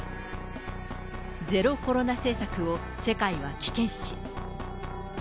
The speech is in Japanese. ゼロコロナ政策を世界は危険視。